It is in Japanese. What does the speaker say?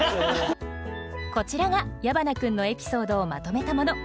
こちらが矢花君のエピソードをまとめたもの。